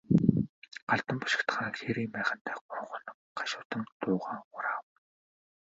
Галдан бошигт хаан хээрийн майхандаа гурван хоног гашуудан дуугаа хураав.